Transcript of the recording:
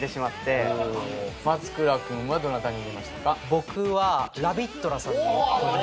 僕は。